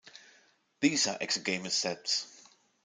These are exogamous septs.